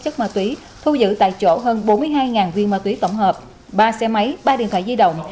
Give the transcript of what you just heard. chất ma túy thu giữ tại chỗ hơn bốn mươi hai viên ma túy tổng hợp ba xe máy ba điện thoại di động